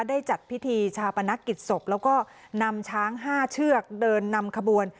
ได้จัดพิธีชาปนกิจศพแล้วก็นำช้าง๕เชือกเดินนำขบวน